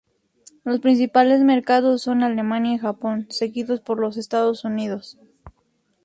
Los principales mercados son Alemania y Japón, seguidos por los Estados Unidos.